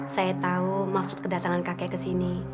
saya tahu maksud kedatangan kakek kesini